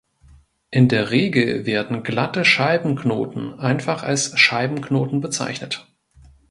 In der Regel werden glatte Scheibenknoten einfach als Scheibenknoten bezeichnet.